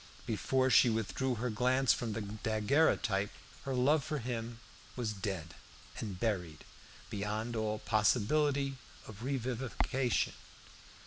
Before she withdrew her glance from the daguerreotype, her love for him was dead and buried beyond all possibility of revivification.